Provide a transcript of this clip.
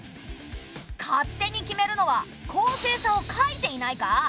勝手に決めるのは公正さを欠いていないか？